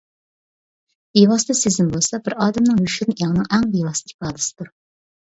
بىۋاسىتە سېزىم بولسا بىر ئادەمنىڭ يوشۇرۇن ئېڭىنىڭ ئەڭ بىۋاسىتە ئىپادىسىدۇر.